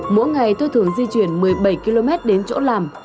mỗi ngày tôi thường di chuyển một mươi bảy km đến chỗ làm